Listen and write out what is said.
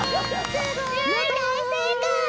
すごいだいせいかい！